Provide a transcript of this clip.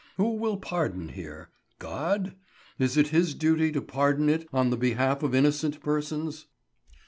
Who will pardon here? God? Is it His duty to pardon it on the behalf of innocent persons?